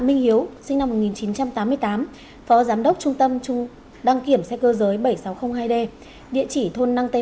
minh hiếu sinh năm một nghìn chín trăm tám mươi tám phó giám đốc trung tâm đăng kiểm xe cơ giới bảy nghìn sáu trăm linh hai d địa chỉ thôn năng tây